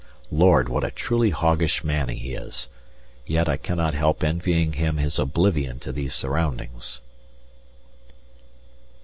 Lord! what a truly hoggish man he is; yet I cannot help envying him his oblivion to these surroundings.